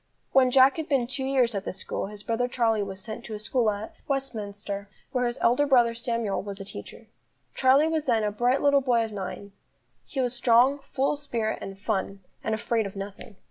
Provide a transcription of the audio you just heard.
When Jack had been two years at this school, his brother Charlie was sent to a school at Westminster, where his elder brother Samuel was a teacher. Charlie was then a bright little boy of nine; he was strong, full of spirit and fun, and afraid of nothing.